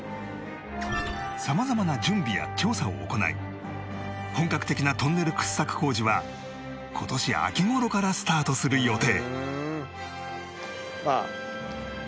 様々な準備や調査を行い本格的なトンネル掘削工事は今年秋頃からスタートする予定